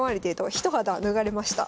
一肌脱がれました。